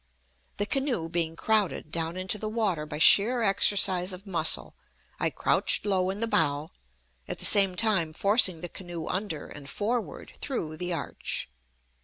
The canoe being crowded down into the water by sheer exercise of muscle, I crouched low in the bow, at the same time forcing the canoe under and forward through the arch.